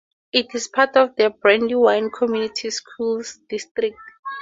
It is part of the Brandywine Community Schools district.